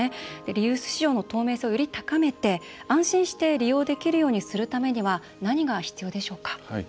リユース市場の透明性をより高めて安心して利用するためには何が必要でしょうか？